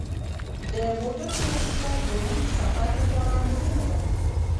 د موټرو روغتیا د اوږد سفر لپاره مهمه ده.